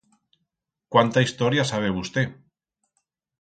Cuánta historia sabe vusté.